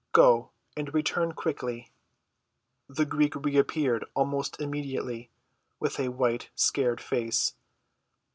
"Go, and return quickly." The Greek reappeared almost immediately with a white, scared face.